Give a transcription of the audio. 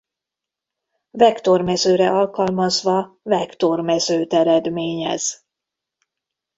Vektormezőre alkalmazva vektormezőt eredményez.